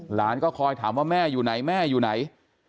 หลานก็คอยถามว่าแม่อยู่ไหนแม่อยู่ไหน